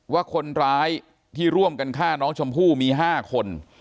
ว่าคนร้ายที่ร่วมกันฆ่าน้องชมพู่มี๕คน